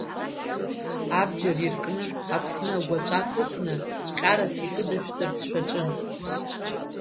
Абџьар иркны Аԥсны агәаҵәа ҭыхны цәҟьарас изкыдышәҵарц шәаҿын!